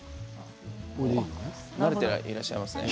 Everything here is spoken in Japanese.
慣れていらっしゃいますね。